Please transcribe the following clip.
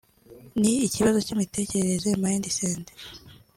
ni ikibazo cy’imitekerereze (mindset)